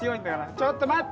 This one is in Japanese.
ちょっと待って！